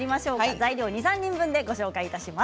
材料は２、３人分でご紹介します。